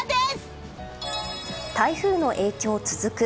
台風の影響続く。